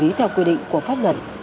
và xử lý theo quy định của pháp luật